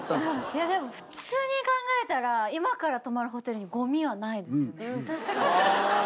いやでも普通に考えたら今から泊まるホテルにゴミはないですよね